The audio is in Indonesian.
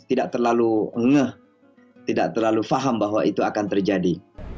tidak terlalu ngeh tidak terlalu paham bahwa itu akan terjadi